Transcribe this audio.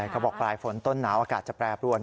เขาบอกปลายฝนต้นหนาวอากาศจะแปรปรวน